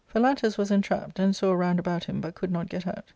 Phalantus was entrapped, and saw round about him, but could not get out.